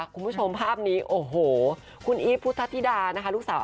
คุณผู้ชมภาพนี้โอ้โหคุณอีบพุทธธิดาลูกสาวอ้าเปี๊ยก